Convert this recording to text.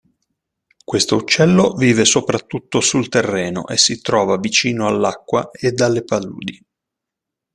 Questo uccello vive soprattutto sul terreno e si trova vicino all'acqua ed alle paludi.